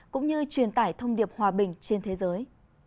cũng như truyền tải thông điệp hòa bình trên thế giới